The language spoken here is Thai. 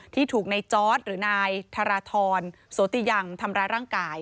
ที่ถูกในจอร์ดหรือนายธรทรโสติยังทำร้ายร่างกาย